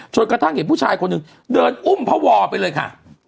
จนกระทั่งเห็นผู้ชายคนนึงเดินอุ่มภาวรไปเลยค่ะ